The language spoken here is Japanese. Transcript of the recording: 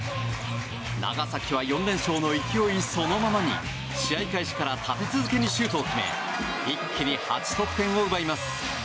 長崎は４連勝の勢いそのままに試合開始から立て続けにシュートを決め一気に８得点を奪います。